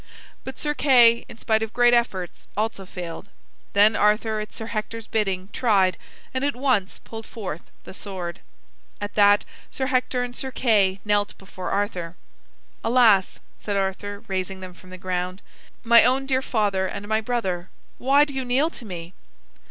But Sir Kay, in spite of great efforts, also failed. Then Arthur, at Sir Hector's bidding, tried, and at once pulled forth the sword. At that Sir Hector and Sir Kay knelt before Arthur. "Alas," said Arthur, raising them from the ground, "my own dear father and my brother, why do you kneel to me?"